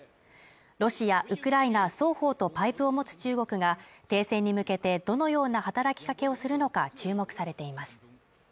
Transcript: ロシア、ウクライナ双方とパイプを持つ中国が停戦に向けてどのような働きかけをするのか注目されています。